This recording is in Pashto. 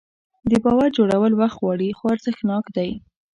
د باور جوړول وخت غواړي خو ارزښتناک دی.